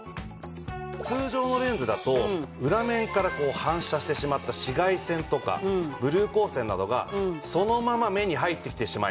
通常のレンズだと裏面から反射してしまった紫外線とかブルー光線などがそのまま目に入ってきてしまいます。